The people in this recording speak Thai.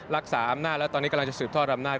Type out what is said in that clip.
รักษาอำนาจแล้วตอนนี้กำลังจะสืบทอดอำนาจ